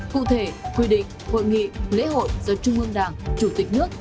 cụ thể quy định hội nghị lễ hội do trung ương đảng chủ tịch nước